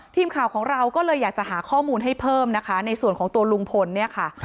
ทีมข่าวของเราก็เลยอยากจะหาข้อมูลให้เพิ่มนะคะในส่วนของตัวลุงพลเนี่ยค่ะ